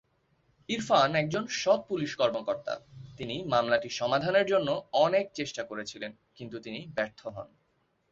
ইরফান একজন সৎ পুলিশ কর্মকর্তা ।তিনি মামলাটি সমাধানের জন্য অনেক চেষ্টা করেছিলেন কিন্তু তিনি ব্যর্থ হন।